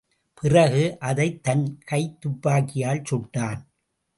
பிறகு, அதைத் தன் கைத்துப்பாக்கியால் சுட்டான்.